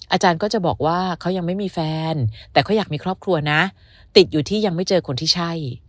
อาจารย์ก็จะบอกว่าเขายังไม่มีแฟนแต่เขาอยากมีครอบครัวนะติดอยู่ที่ยังไม่เจอคนที่ใช่